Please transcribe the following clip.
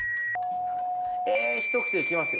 えひと口でいきますよ。